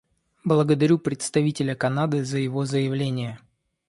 Благодарю представителя Канады за его заявление.